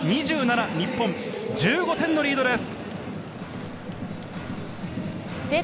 日本、１５点のリードです。